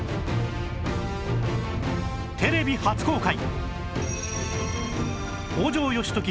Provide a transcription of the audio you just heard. テレビ初公開